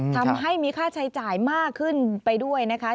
ทำให้มีค่าใช้จ่ายมากขึ้นไปด้วยนะคะ